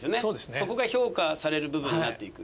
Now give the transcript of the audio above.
そこが評価される部分になっていく。